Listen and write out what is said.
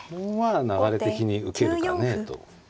流れ的に受けるかねえと。